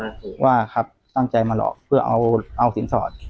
ผมว่าครับตั้งใจมาหลอกเพื่อเอาสินสอด